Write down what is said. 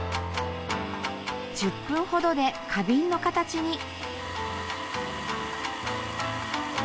１０分ほどで花瓶の形に。